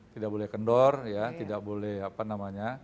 tidak boleh kendor ya tidak boleh apa namanya